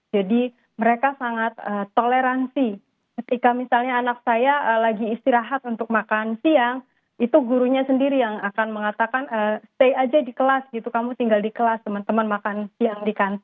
jadi mereka sangat toleransi ketika misalnya anak saya lagi istirahat untuk makan siang itu gurunya sendiri yang akan mengatakan stay aja di kelas gitu kamu tinggal di kelas teman teman makan siang di kantin gitu